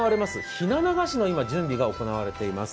ひな流しの準備が行われています。